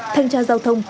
thanh tra giao thông